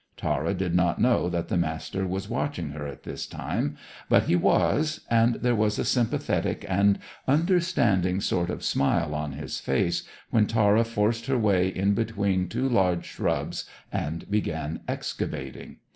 Tara did not know that the Master was watching her at this time; but he was, and there was a sympathetic and understanding sort of smile on his face, when Tara forced her way in between two large shrubs, and began excavating.